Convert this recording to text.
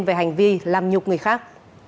về hành vi làm nhục người khác